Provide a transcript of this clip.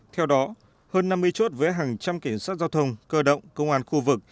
theo đó hơn năm mươi chốt với hàng trăm cảnh sát giao thông cơ động công an khu vực